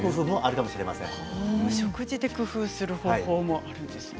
お食事で工夫をする方法もあるんですね。